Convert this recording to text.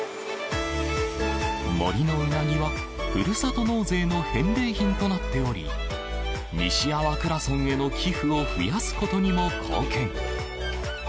森のうなぎは、ふるさと納税の返礼品となっており西粟倉村への寄付を増やすことにも貢献。